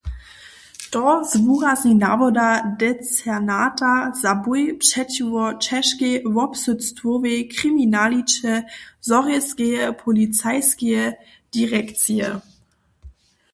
To zwurazni nawoda decernata za bój přećiwo ćežkej wobsydstwowej kriminaliće Zhorjelskeje policajskeje direkcije.